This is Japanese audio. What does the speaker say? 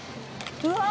うわ！